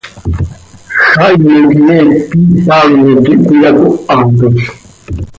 Jaime quih eec quih Pablo quih cöiyacóhatol.